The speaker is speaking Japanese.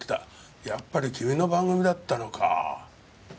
やっぱり君の番組だったのかぁ。